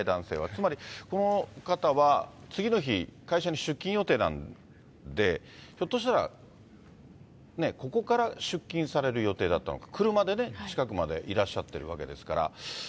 つまり、この方は、次の日、会社に出勤予定なんで、ひょっとしたら、ね、ここから出勤される予定だったのか、車でね、近くまでいらっしゃっているわけですから。